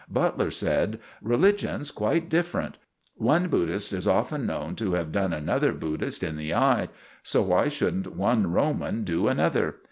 Butler said: "Religion's quite different. One Buddhist is often known to have done another Buddhist in the eye, so why shouldn't one Roman do another?